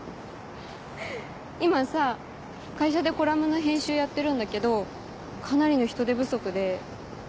今さ会社でコラムの編集やってるんだけどかなりの人手不足で。